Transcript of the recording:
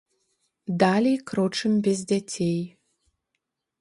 Далей крочым без дзяцей.